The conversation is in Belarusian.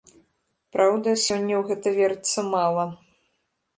Праўда, сёння ў гэта верыцца мала.